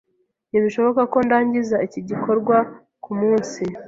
Ntibishoboka ko ndangiza iki gikorwa kumunsi.